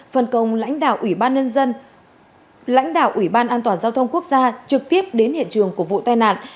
phần công lãnh đạo ủy ban an toàn giao thông quốc gia trực tiếp đến hiện trường của vụ tai nạn